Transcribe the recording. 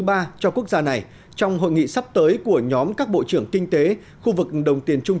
ba cho quốc gia này trong hội nghị sắp tới của nhóm các bộ trưởng kinh tế khu vực đồng tiền trung